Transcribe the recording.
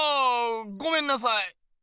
ごめんなさい。